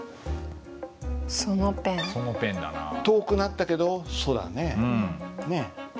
遠くなったけど「そ」だね。